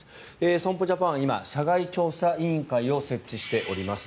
損保ジャパンは今、社外調査委員会を設置しています。